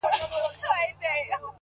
لذت پروت وي